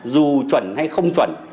dù chuẩn hay không chuẩn